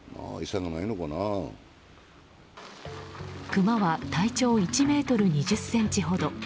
クマは体長１ｍ２０ｃｍほど。